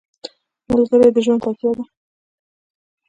ملګری د ژوند تکیه ده.